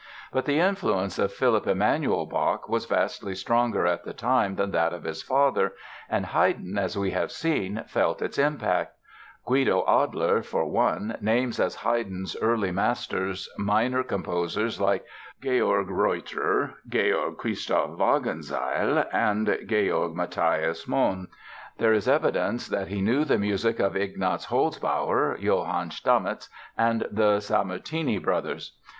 But the influence of Philipp Emanuel Bach was vastly stronger at the time than that of his father and Haydn, as we have seen, felt its impact. Guido Adler, for one, names as Haydn's early masters minor composers like Georg Reutter, Georg Christoph Wagenseil and Georg Matthias Monn. There is evidence that he knew the music of Ignaz Holzbauer, Johann Stamitz and the Sammartini brothers.